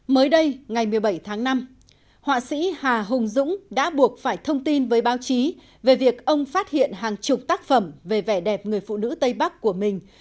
mới đây ngày một mươi bảy tháng năm họa sĩ hà hùng dũng đã buộc phải thông tin với báo chí về việc ông phát hiện hàng chục tác phẩm về vẻ đẹp người phụ nữ tây bắc của mình